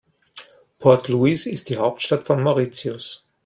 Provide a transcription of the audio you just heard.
Port Louis ist die Hauptstadt von Mauritius.